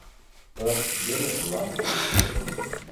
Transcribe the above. Ur aɣ-teǧǧa ara lehwa ad nḥewwes.